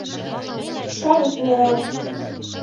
Шәриф менән.